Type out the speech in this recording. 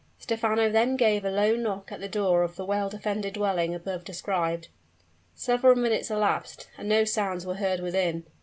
Stephano then gave a low knock at the door of the well defended dwelling above described. Several minutes elapsed; and no sounds were heard within.